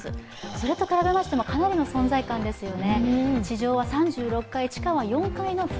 それと比べましてもかなりの存在感ですよね。